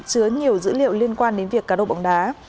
chứa nhiều dữ liệu liên quan đến việc cá độ bóng đá